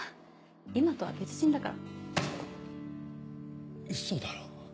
今とは別人だからウソだろ？